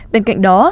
bên cạnh đó